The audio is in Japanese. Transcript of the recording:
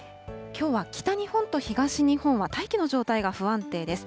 きょうは北日本と東日本は大気の状態が不安定です。